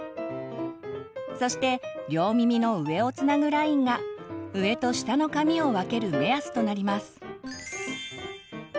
そして両耳の上をつなぐラインが上と下の髪を分ける目安となります。